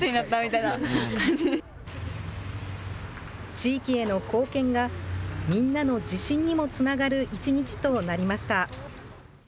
地域への貢献が、みんなの自信にもつながる一日となりました。